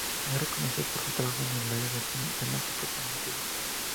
Es reconocido por su trabajo en el área de la semántica generativa.